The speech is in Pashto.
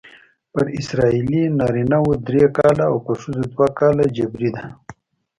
پر اسرائیلي نارینه وو درې کاله او پر ښځو دوه کاله جبری ده.